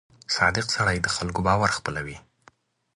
• صادق سړی د خلکو باور خپلوي.